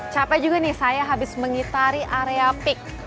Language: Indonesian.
capek juga nih saya habis mengitari area peak